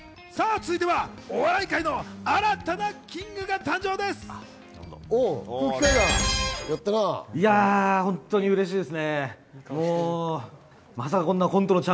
続いてはお笑い界の新たなキングが誕生です。